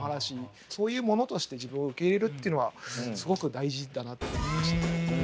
そういうものとして自分を受け入れるっていうのはすごく大事だなと思いました。